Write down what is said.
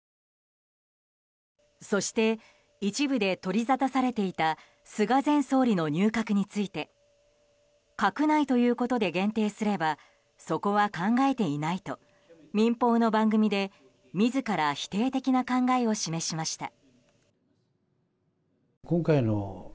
そして一部で取りざたされていた菅前総理の入閣について閣内ということで限定すればそこは考えていないと民放の番組で自ら否定的な考えを示しました。